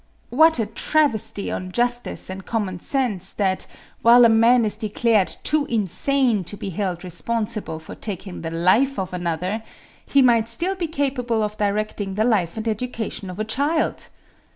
What a travesty on justice and common sense that, while a man is declared too insane to be held responsible for taking the life of another, he might still be capable of directing the life and education of a child!